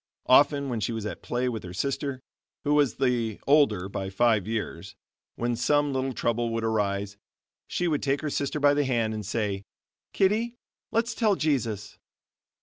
Often, when she was at play with her sister, who was the older by five years, when some little trouble would arise, she would take her sister by the hand and say: "Kitty, let's tell Jesus."